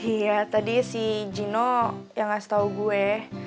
iya tadi si gino yang ngasih tahu gue